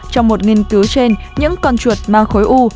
trong một nghiên cứu trên những con chuột mang khối u